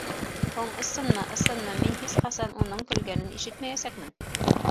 Һуң ысынмы, ысынмы мин һис ҡасан уның көлгәнен ишетмәйәсәкмен?